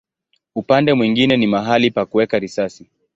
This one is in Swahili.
Upande mwingine ni mahali pa kuweka risasi.